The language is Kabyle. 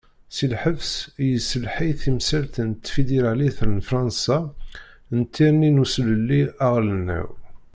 Si lhebs, i yesselḥay timsal n tfidiralit n fransa n tirni n uselelli aɣelnaw.